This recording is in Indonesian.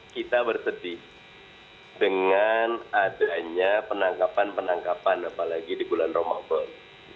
kita bersedih dengan adanya penangkapan penangkapan apalagi di bulan ramadan